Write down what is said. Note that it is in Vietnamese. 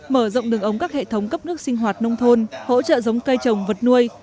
mở rộng đường ống các hệ thống cấp nước sinh hoạt nông thôn hỗ trợ giống cây trồng vật nuôi